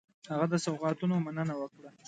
هغه د سوغاتونو مننه نه وه کړې.